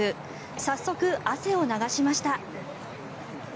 早速、汗を流しました。